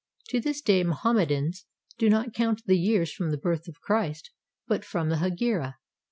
To this day Mohammedans do not count the years from the birth of Christ, but from the Hegira.